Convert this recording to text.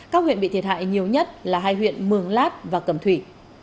các huyện bị thiệt hại nhiều nhất là hai huyện mường lát và cầm thủy